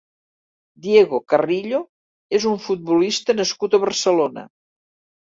Diego Carrillo és un futbolista nascut a Barcelona.